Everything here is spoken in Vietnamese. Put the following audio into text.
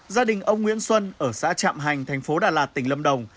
gia đình ông nguyễn xuân ở xã trạm hành thành phố đà lạt tỉnh lâm đồng